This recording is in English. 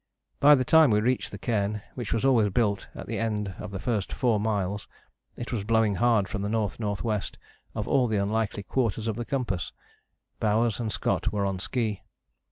By the time we reached the cairn, which was always built at the end of the first four miles, it was blowing hard from the N.N.W. of all the unlikely quarters of the compass. Bowers and Scott were on ski.